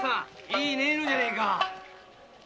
いい音じゃねぇか。